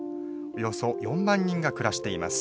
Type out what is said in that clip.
およそ４万人が暮らしています。